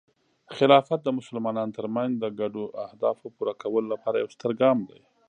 خلافت د مسلمانانو ترمنځ د ګډو اهدافو پوره کولو لپاره یو ستر ګام دی.